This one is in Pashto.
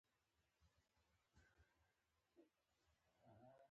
هر درد د الله له خوا ازموینه ده.